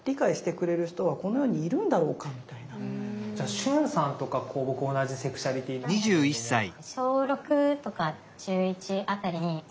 駿さんとか僕同じセクシュアリティーなんだけれども。